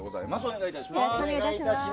お願い致します。